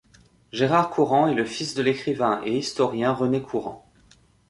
Gérard Courant est le fils de l'écrivain et historien René Courant.